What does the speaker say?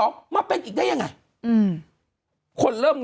คุณหนุ่มกัญชัยได้เล่าใหญ่ใจความไปสักส่วนใหญ่แล้ว